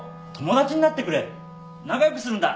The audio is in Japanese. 仲良くするんだ。